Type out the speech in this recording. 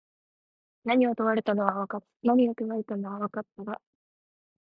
何か問われたのは分かったが、聞き取れなかった。